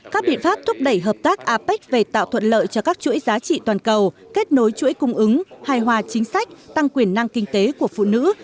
các biện pháp thúc đẩy hợp tác apec về tạo thuận lợi cho các chuỗi giá trị toàn cầu kết nối chuỗi cung ứng hài hòa chính sách tăng quyền năng kinh tế của phụ nữ